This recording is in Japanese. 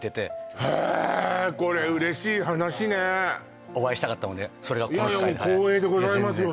これ嬉しい話ねお会いしたかったのでそれがこの機会ではい光栄でございますよ